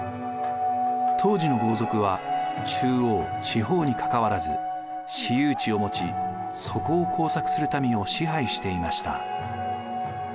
当時の豪族は中央地方にかかわらず私有地を持ちそこを耕作する民を支配していました。